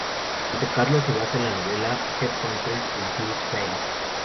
Monte Carlo se basa en la novela "Headhunters" de Jules Bass.